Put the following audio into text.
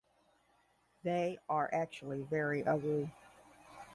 They are actually very ugly.